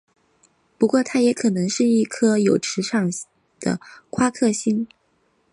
不过它也可能是一颗有强磁场的夸克星。